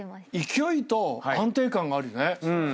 勢いと安定感があるね。